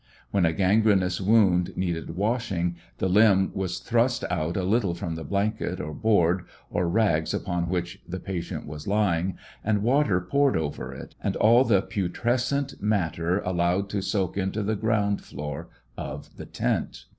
When a gangrenous wound needed washing, the limb was thrust out a little from the balnket, or board, or rags upon which the patient was lying, and water poured over it, and all the putres cent matter allowed to soak into the ground floor of the tent.